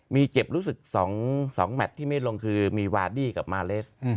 มีเจ็บรู้สึก๒แมทที่ไม่ลงคือมีวาดี้กับมาเลส